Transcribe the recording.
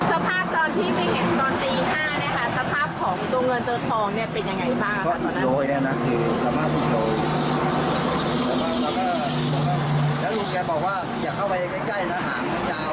สภาพตอนที่ไปเห็นตอนตี๕เนี่ยค่ะสภาพของตัวเงินตัวทองเนี่ยเป็นยังไงบ้าง